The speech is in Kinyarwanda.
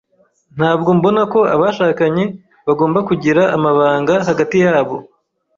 Ntabwo mbona ko abashakanye bagomba kugira amabanga hagati yabo.